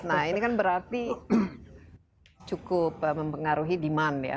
nah ini kan berarti cukup mempengaruhi demand ya